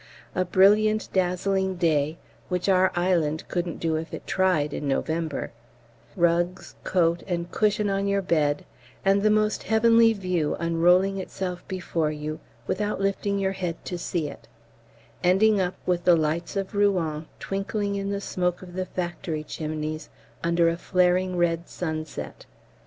A brilliant dazzling day (which our Island couldn't do if it tried in November), rugs, coat, and cushion on your bed, and the most heavenly view unrolling itself before you without lifting your head to see it, ending up with the lights of Rouen twinkling in the smoke of the factory chimneys under a flaring red sunset.